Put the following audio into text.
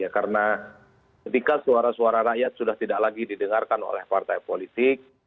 karena ketika suara suara rakyat sudah tidak lagi didengarkan oleh partai politik